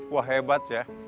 wah hebat ya